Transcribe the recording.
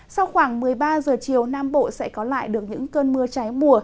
sau khoảng một mươi ba giờ chiều nam bộ sẽ có lại được những cơn mưa cháy mùa